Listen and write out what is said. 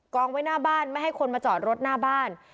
องไว้หน้าบ้านไม่ให้คนมาจอดรถหน้าบ้าน